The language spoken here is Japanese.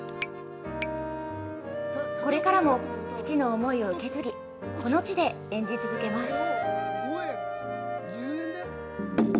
これからも父の思いを受け継ぎ、この地で演じ続けます。